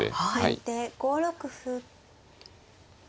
先手５六歩。